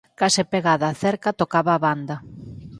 Case pegada á cerca tocaba a banda.